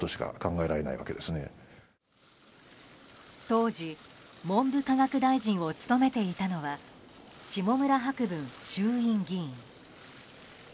当時、文部科学大臣を務めていたのは下村博文衆院議員。